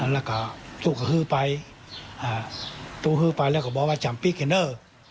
แล้วก็ทุกชีวิตไปเราก็บอกว่าจะปิกเกมเนอร์